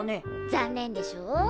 残念でしょう？